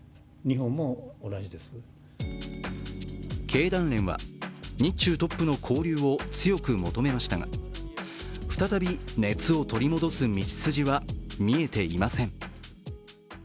経団連は日中トップの交流を強く求めましたが再び熱を取り戻す道筋は見えていません。